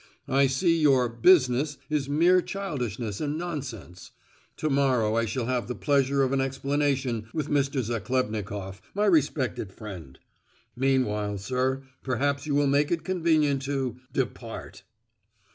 I see your 'business' is mere childishness and nonsense: to morrow I shall have the pleasure of an explanation with Mr. Zachlebnikoff, my respected friend. Meanwhile, sir, perhaps you will make it convenient to—depart."